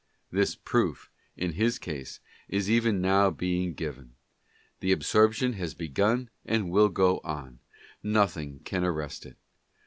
This proof, in his case, is even now being given. The absorption has begun and will go on ; nothing can arrest it.